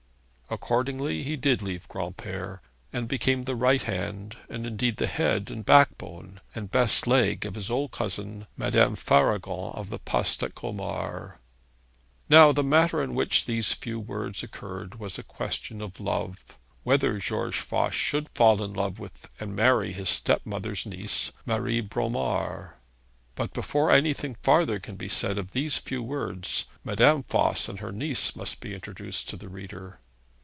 Accordingly he did leave Granpere, and became the right hand, and indeed the head, and backbone, and best leg of his old cousin Madame Faragon of the Poste at Colmar. Now the matter on which these few words occurred was a question of love whether George Voss should fall in love with and marry his step mother's niece Marie Bromar. But before anything farther can be said of these few words, Madame Voss and her niece must be introduced to the reader.